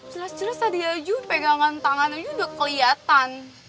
jelas jelas tadi aja pegangan tangan aja udah keliatan